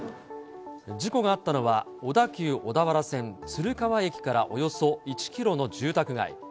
事故があったのは、小田急小田原線鶴川駅からおよそ１キロの住宅街。